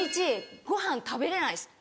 ごはん食べれないです。